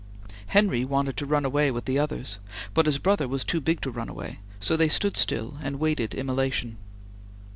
Henry wanted to run away with the others, but his brother was too big to run away, so they stood still and waited immolation.